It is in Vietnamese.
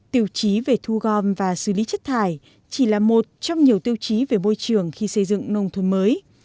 tiêu chí về thu gom và xử lý chất thải chỉ là một trong nhiều tiêu chí về môi trường khi xây dựng nông thôn mới